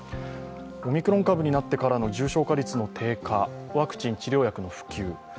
オミクロン株になってからの重症化率の低下、ワクチン、治療薬の普及。